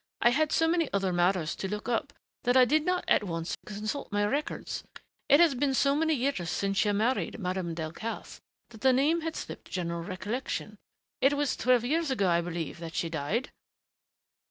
"I had so many other matters to look up that I did not at once consult my records. And it has been so many years since you married Madame Delcassé that the name had slipped general recollection.... It was twelve years ago, I believe, that she died?"